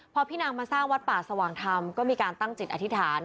พอพี่นางมาสร้างวัดป่าสว่างธรรมก็มีการตั้งจิตอธิษฐาน